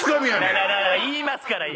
言いますから今。